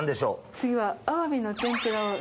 次はアワビの天ぷらを。